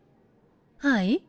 はい？